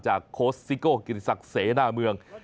จากโคสต์ซิโก้กินศักดิ์เสน่ห์หน้าเมือง